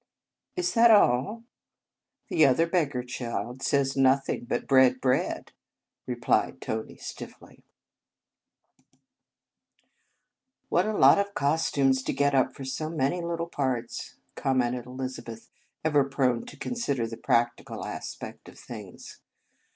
"Is that all?" " The other beggar child says no thing but < Bread! bread! " repliec Tony stiffly. 37 In Our Convent Days " What a lot of costumes to get up for so many little parts !" commented Elizabeth, ever prone to consider the practical aspect of things.